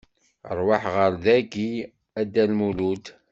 Rwaḥ ɣer dayi a Dda Lmulud!